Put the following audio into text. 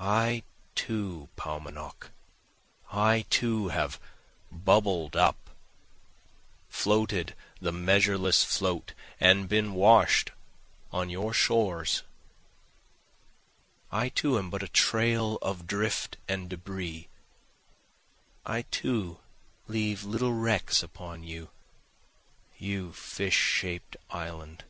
I too Paumanok, I too have bubbled up, floated the measureless float, and been wash'd on your shores, I too am but a trail of drift and debris, I too leave little wrecks upon you, you fish shaped island.